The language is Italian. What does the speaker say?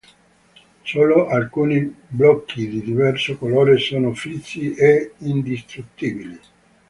Solo alcuni blocchi di diverso colore sono fissi e indistruttibili.